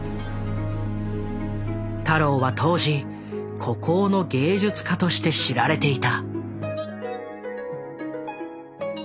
太郎は当時孤高の芸術家として知られていた。